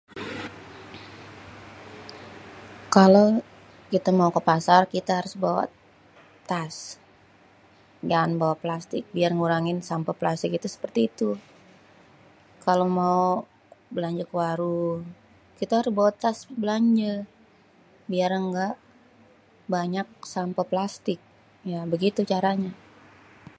Kalo kita mau ke pasar kita harus bawa tas. Jangan bawa plastik. Biar ngurangin sampah plastik itu seperti itu. Kalo mau belanja ke warung, kita harus bawa tas belanje biar nggak banyak sampeh plastik. Ya begitu caranya.